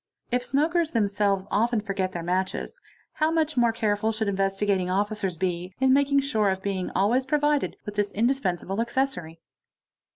If smokers themselves often forget " their matches ; how much more careful should Investigating Officers be in ' making sure of being always provided with this indispensable accessory.